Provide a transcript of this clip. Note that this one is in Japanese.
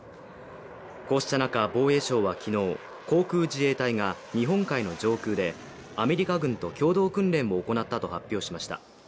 こうした中、防衛省は昨日航空自衛隊が日本海の上空でアメリカ軍と共同訓練を行ったと発表しました。